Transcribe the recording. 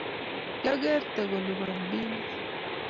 kiakerte kulipan bilit.